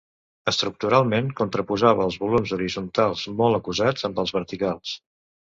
Estructuralment contraposava els volums horitzontals molt acusats amb els verticals.